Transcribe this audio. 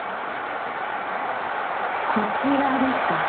こちらですか？